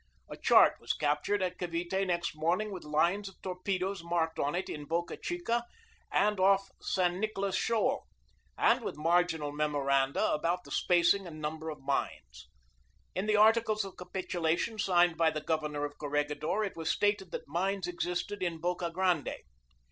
A chart was captured at Cavite next morning with lines of torpedoes marked on it in Boca Chica, and off San Nicolas Shoal, and with marginal memoranda about the spac ing and number of mines. In the articles of capitulation signed by the Governor of Corregidor it was stated that mines existed in Boca Grande.